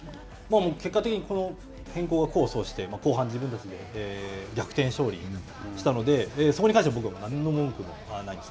結果的にこの変更が功を奏して後半、自分たちで逆転勝利したのでそこに関しては僕は何の文句はないです。